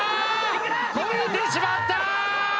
越えてしまった！